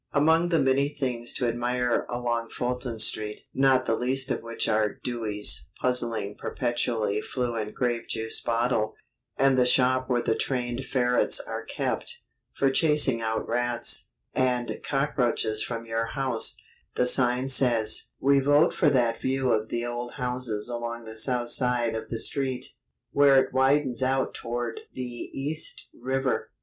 Among the many things to admire along Fulton Street (not the least of which are Dewey's puzzling perpetually fluent grape juice bottle, and the shop where the trained ferrets are kept, for chasing out rats, mice, and cockroaches from your house, the sign says) we vote for that view of the old houses along the south side of the street, where it widens out toward the East River.